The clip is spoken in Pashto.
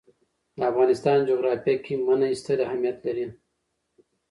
د افغانستان جغرافیه کې منی ستر اهمیت لري.